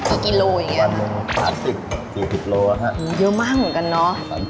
กี่กิโลอย่างงี้วันนึงปลาสิบกี่กิโลอะคะโอ้เยอะมากเหมือนกันเนอะ